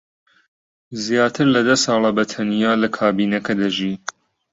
زیاتر لە دە ساڵە بەتەنیا لە کابینەکە دەژی.